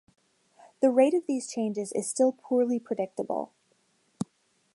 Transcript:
The rate of these changes is still poorly predictable.